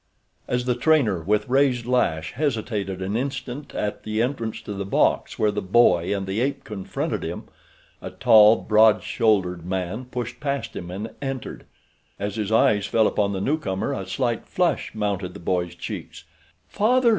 As the trainer, with raised lash, hesitated an instant at the entrance to the box where the boy and the ape confronted him, a tall broad shouldered man pushed past him and entered. As his eyes fell upon the newcomer a slight flush mounted the boy's cheeks. "Father!"